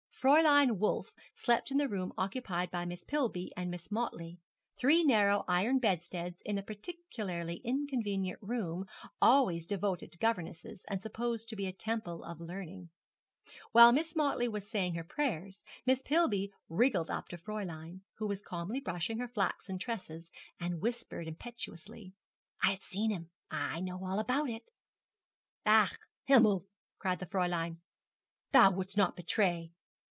Fräulein Wolf slept in the room occupied by Miss Pillby and Miss Motley three narrow iron bedsteads in a particularly inconvenient room, always devoted to governesses, and supposed to be a temple of learning. While Miss Motley was saying her prayers, Miss Pillby wriggled up to the Fräulein, who was calmly brushing her flaxen tresses, and whispered impetuously, 'I have seen him! I know all about it!' 'Ach, Himmel,' cried the Fräulein. 'Thou wouldst not betray?'